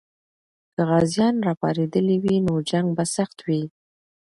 که غازیان راپارېدلي وي، نو جنګ به سخت وي.